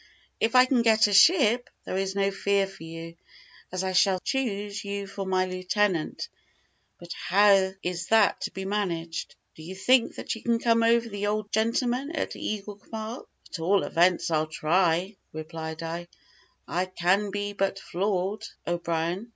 If I can get a ship, there is no fear for you, as I shall choose you for my lieutenant; but how is that to be managed? Do you think that you can come over the old gentleman at Eagle Park?" "At all events I'll try," replied I; "I can but be floored, O'Brien."